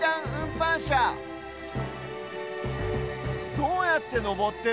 どうやってのぼってる？